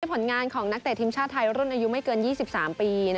ผลงานของนักเตะทีมชาติไทยรุ่นอายุไม่เกิน๒๓ปี